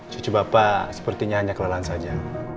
cucu bapak sepertinya hanya kelelahan saja